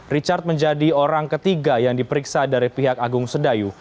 richard menjadi orang ketiga yang diperiksa dari pihak agung sedayu